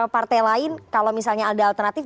partai lain kalau misalnya ada alternatif